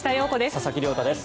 佐々木亮太です。